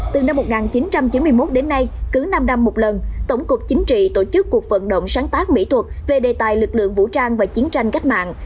từ năm một nghìn chín trăm chín mươi một đến nay cứ năm năm một lần tổng cục chính trị tổ chức cuộc vận động sáng tác mỹ thuật về đề tài lực lượng vũ trang và chiến tranh cách mạng